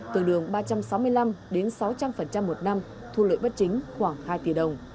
tương đương ba trăm sáu mươi năm đến sáu trăm linh một năm thu lợi bất chính khoảng hai tỷ đồng